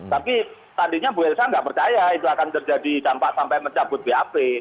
tapi tadinya bu elsa nggak percaya itu akan terjadi dampak sampai mencabut bap